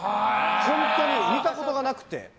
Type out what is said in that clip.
本当に見たことがなくて。